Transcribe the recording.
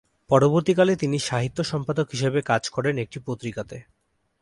পরবর্তীকালে তিনি সাহিত্য সম্পাদক হিসেবে কাজ করেন একটি পত্রিকাতে।